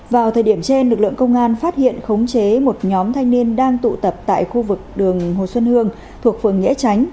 vào thời điểm trên lực lượng công an phát hiện khống chế một nhóm thanh niên đang tụ tập tại khu vực đường hồ xuân hương thuộc phường nghĩa tránh